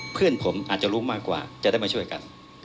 เพื่อนผมอาจจะรู้มากกว่าจะได้มาช่วยกัน